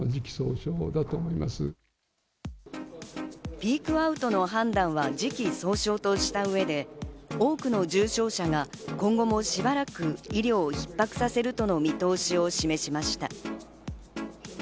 ピークアウトの判断は時期尚早とした上で、多くの重症者が今後もしばらく医療を逼迫させるとの見通しを示しました。